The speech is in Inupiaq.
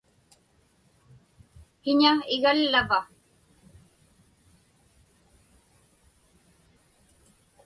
Kiña igallava?